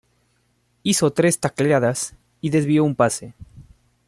Hizo tres tackleadas y desvió un pase.